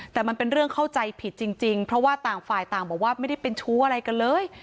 แต่มันเป็นเรื่องเข้าใจผิดจริงเพราะว่าต่างฝ่ายต่างบอกว่าไม่ได้เป็นชู้อะไรกันเลย